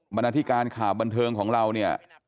นาธิการข่าวบันเทิงของเราเนี่ย